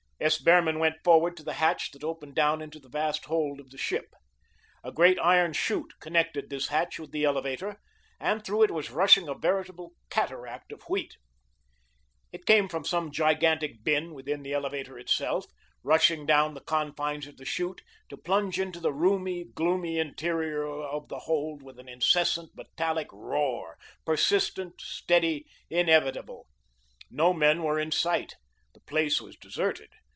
S. Behrman went forward to the hatch that opened down into the vast hold of the ship. A great iron chute connected this hatch with the elevator, and through it was rushing a veritable cataract of wheat. It came from some gigantic bin within the elevator itself, rushing down the confines of the chute to plunge into the roomy, gloomy interior of the hold with an incessant, metallic roar, persistent, steady, inevitable. No men were in sight. The place was deserted.